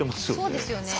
そうですよね。